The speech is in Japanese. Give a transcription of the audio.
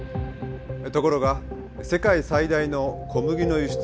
ところが世界最大の小麦の輸出国